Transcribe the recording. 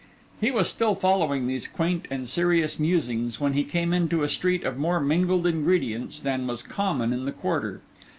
He was still following these quaint and serious musings when he came into a street of more mingled ingredients than was common in the quarter.